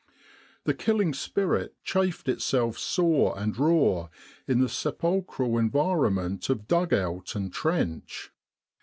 The killing spirit chafed itself sore and raw in the sepulchral environment of dug out and trench.